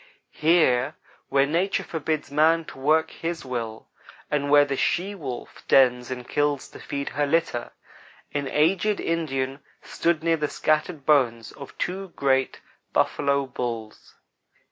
Here, where Nature forbids man to work his will, and where the she wolf dens and kills to feed her litter, an aged Indian stood near the scattered bones of two great buffalo bulls.